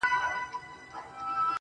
قدم کرار اخله زړه هم لکه ښيښه ماتېږي_